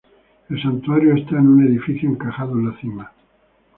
El Santuario está en un edificio encajado en la cima.